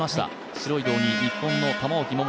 白い胴着、日本の玉置桃。